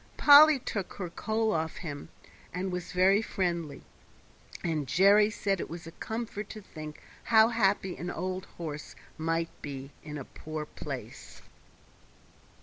Polly took her coal of him, and was very friendly, and Jerry said it was a comfort to think how happy an old horse might be in a poor place.